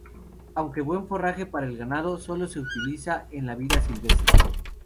Aunque buen forraje para el ganado, solo se utiliza en la vida silvestre.